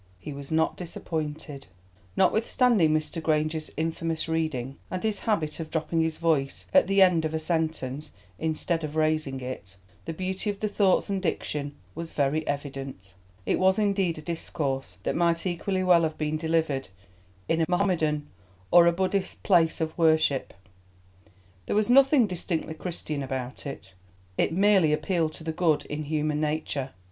He was not disappointed. Notwithstanding Mr. Granger's infamous reading, and his habit of dropping his voice at the end of a sentence, instead of raising it, the beauty of the thoughts and diction was very evident. It was indeed a discourse that might equally well have been delivered in a Mahomedan or a Buddhist place of worship; there was nothing distinctively Christian about it, it merely appealed to the good in human nature.